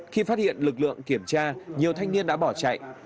khi phát hiện lực lượng kiểm tra nhiều thanh niên đã bỏ chạy